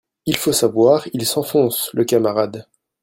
Il faut savoir, Il s’enfonce, le camarade